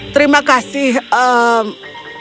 terima kasih jenny